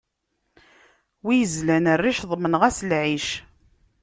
Wi yezlan rric, ḍemneɣ-as lɛic.